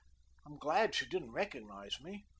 "I'm glad she didn't recognize me.